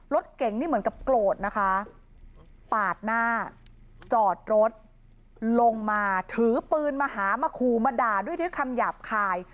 รถเก่งนี่เหมือนกับโกรธนะคะปาดหน้าจอดรถลงมาถือปืนมาหามาขู่มาด่าด้วยคำหยาบคาย